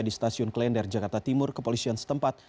di stasiun klender jakarta timur kepolisian setempat